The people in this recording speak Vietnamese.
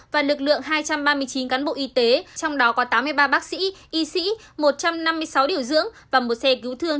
và lực lượng hai trăm ba mươi chín cán bộ y tế trong đó có tám mươi ba bác sĩ y sĩ một trăm năm mươi sáu điều dưỡng và một xe cứu thương